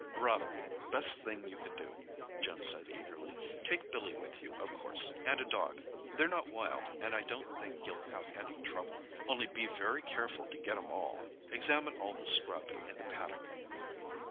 "Rather—best thing you can do," Jim said eagerly. "Take Billy with you, of course, and a dog. They're not wild, and I don't think you'll have any trouble—only be very careful to get 'em all—examine all the scrub in the paddock.